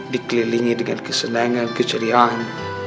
dikelilingi dengan kesenangan keceriaan